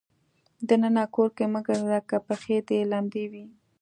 د ننه کور کې مه ګرځه که پښې دې لمدې وي.